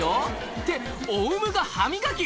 ってオウムが歯磨き？